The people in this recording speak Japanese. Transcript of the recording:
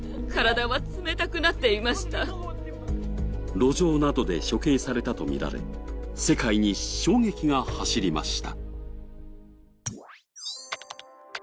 路上などで処刑されたとみられ、世界に衝撃が走りました。